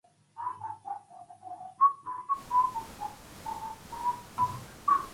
Instead, ecotourism exploits and depletes, particularly in African Maasai tribes.